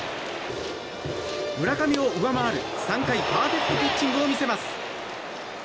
村上を上回る３回パーフェクトピッチングを見せます。